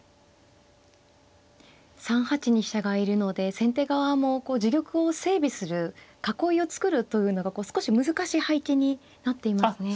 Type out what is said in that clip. ３八に飛車がいるので先手側も自玉を整備する囲いを作るというのが少し難しい配置になっていますね。